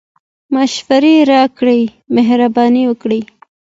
مشوري راکړئ مهربانی وکړئ